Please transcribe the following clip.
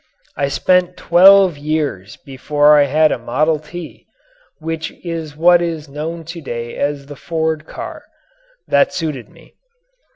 I spent twelve years before I had a Model T which is what is known to day as the Ford car that suited me.